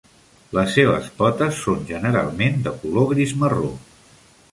Les seves potes són generalment de color gris-marró.